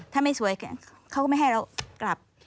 ถ้าไม่สวยเขาก็ไม่ให้เรากลับ